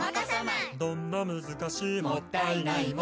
「どんな難しいもったいないも」